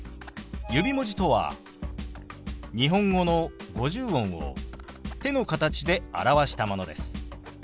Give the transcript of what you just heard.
指文字とは日本語の五十音を手の形で表したものです。